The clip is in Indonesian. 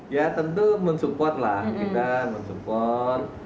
ya tentu mensupport lah kita mensupport